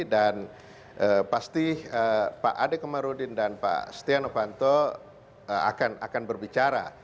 dan pasti pak adek komarudin dan pak setia novanto akan berbicara